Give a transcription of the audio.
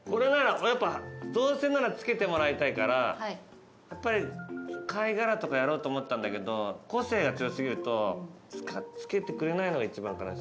どうせなら着けてもらいたいからやっぱり貝殻とかやろうと思ったんだけど個性が強過ぎると着けてくれないのが一番悲しい。